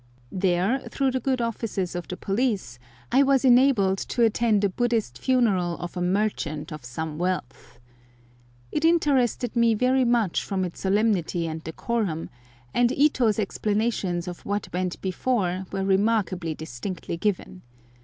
There, through the good offices of the police, I was enabled to attend a Buddhist funeral of a merchant of some wealth. It interested me very much from its solemnity and decorum, and Ito's explanations of what went before were remarkably distinctly given.